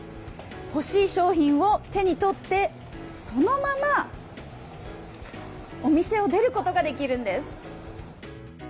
ほしい商品を手に取ってそのままお店を出ることができるんです。